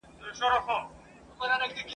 یوه ورځ به داسي راسي چي شرنګیږي ربابونه ..